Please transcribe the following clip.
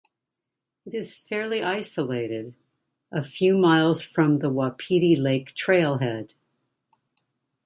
It is fairly isolated, a few miles from the Wapiti Lake Trailhead.